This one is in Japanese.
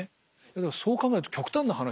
だけどそう考えると極端な話